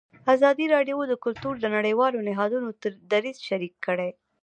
ازادي راډیو د کلتور د نړیوالو نهادونو دریځ شریک کړی.